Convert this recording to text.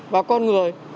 và con người